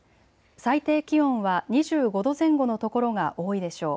最低気温は２５度前後の所が多いでしょう。